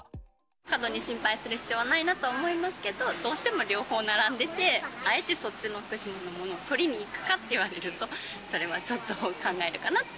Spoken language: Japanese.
そんなに心配する必要はないなと思いますけど、どうしても両方並んでて、あえてそっちの福島のものを取りに行くかって言われると、それはちょっと考えるかなって。